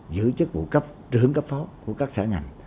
giữ chức vụ trướng cấp phó của các xã ngành